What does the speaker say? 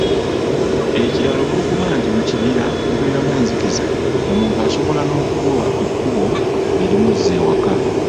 Ekirala olw’okuba nti mu kibira mubeeramu enzikiza, omuntu asobola n’okubulwa ekkubo erimuzza ewaka.